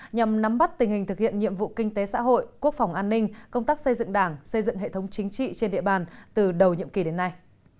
nhằm nắm bắt tình hình thực hiện nhiệm vụ kinh tế xã hội quốc phòng an ninh công tác xây dựng đảng xây dựng hệ thống chính trị trên địa bàn từ đầu nhiệm kỳ đến nay